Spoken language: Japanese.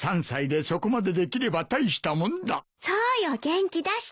３歳でそこまでできれば大したもんだ。